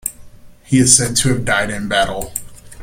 He is said to have died in battle.